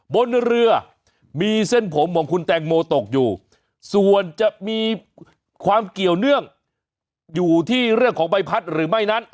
บนเรือมีเส้นผมของคุณแตงโมตกอยู่ส่วนจะมีความเกี่ยวเนื่องอยู่ที่เรื่องของใบพัดหรือไม่นั้น